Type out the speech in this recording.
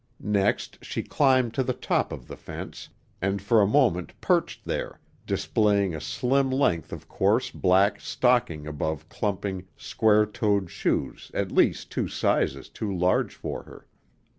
Next she climbed to the top of the fence, and for a moment perched there, displaying a slim length of coarse black stocking above clumping, square toed shoes at least two sizes too large for her.